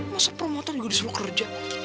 masa promotor juga disuruh kerja